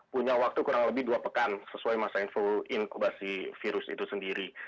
punya waktu kurang lebih dua pekan sesuai masa info inkubasi virus itu sendiri